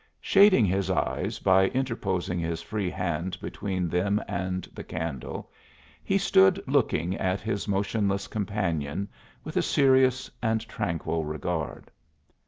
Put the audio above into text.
Shading his eyes by interposing his free hand between them and the candle, he stood looking at his motionless companion with a serious and tranquil regard.